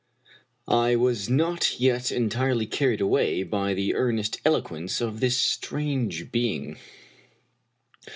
I was not yet entirely carried away by the earnest elo quence of this strange being.